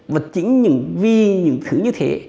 và chính vì những thứ như thế